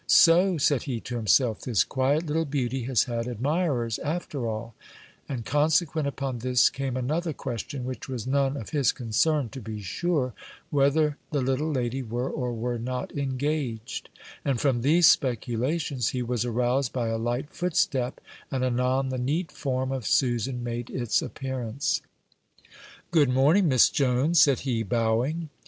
"So," said he to himself, "this quiet little beauty has had admirers, after all;" and consequent upon this came another question, (which was none of his concern, to be sure,) whether the little lady were or were not engaged; and from these speculations he was aroused by a light footstep, and anon the neat form of Susan made its appearance. "Good morning, Miss Jones," said he, bowing.